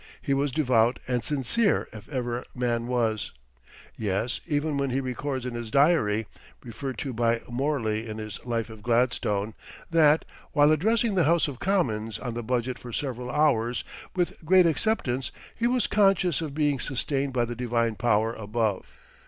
He was devout and sincere if ever man was. Yes, even when he records in his diary (referred to by Morley in his "Life of Gladstone") that, while addressing the House of Commons on the budget for several hours with great acceptance, he was "conscious of being sustained by the Divine Power above."